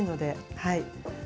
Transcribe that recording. はい。